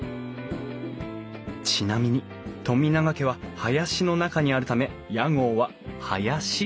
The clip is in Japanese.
ちなみに富永家は林の中にあるため屋号は「林」といいます